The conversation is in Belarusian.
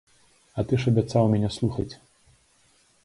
А ты ж абяцаў мяне слухаць.